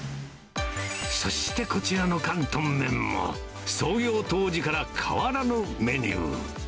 そしてこちらの広東麺も、創業当時から変わらぬメニュー。